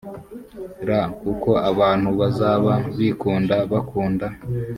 ra kuko abantu bazaba bikunda bakunda